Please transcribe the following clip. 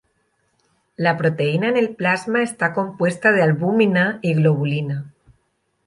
La proteína en el plasma está compuesta de albúmina y globulina.